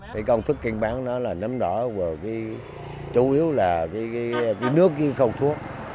cái công thức kinh bán đó là nấm đỏ vừa chủ yếu là cái nước không thuốc